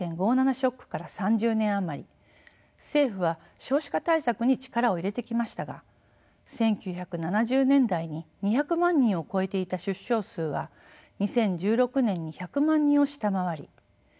ショックから３０年余り政府は少子化対策に力を入れてきましたが１９７０年代に２００万人を超えていた出生数は２０１６年に１００万人を下回り